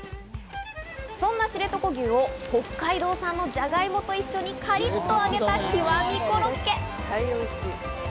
そんな知床牛を北海道産のじゃがいもと一緒にカリっと揚げた極コロッケ。